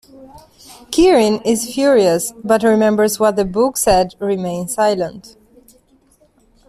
Kirin is furious but remembers what the book said remains silent.